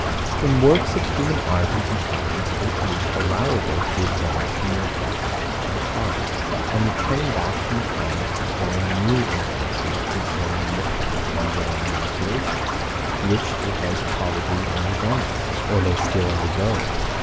In works of human art and contrivance, it is allowable to advance from the effect to the cause, and returning back from the cause, to form new inferences concerning the effect, and examine the alterations, which it has probably undergone, or may still undergo.